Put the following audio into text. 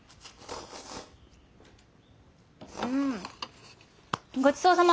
うんごちそうさま！